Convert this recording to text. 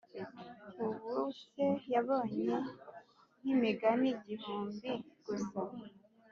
ubuse yabonye nkimigani gihumbi gusa